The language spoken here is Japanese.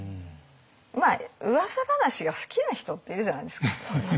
まあうわさ話が好きな人っているじゃないですか。